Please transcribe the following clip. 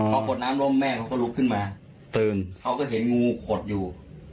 พอกดน้ำล้มแม่เขาก็ลุกขึ้นมาตื่นเขาก็เห็นงูขดอยู่